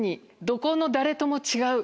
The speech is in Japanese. どこの誰とも違う。